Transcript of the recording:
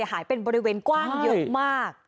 โอ้โหพังเรียบเป็นหน้ากล่องเลยนะครับ